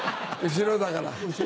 後ろだから。